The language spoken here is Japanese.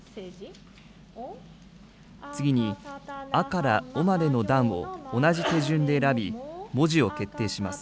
次に、あからおまでの段を同じ手順で選び、文字を決定します。